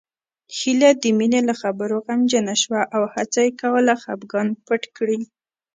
هيله د مينې له خبرو غمجنه شوه او هڅه يې کوله خپګان پټ کړي